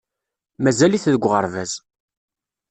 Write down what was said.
Mazal-it deg uɣerbaz.